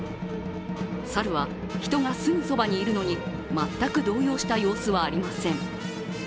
サルは人がすぐそばにいるのに全く動揺した様子はありません。